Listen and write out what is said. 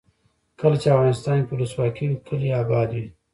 کله چې افغانستان کې ولسواکي وي کلي اباد وي.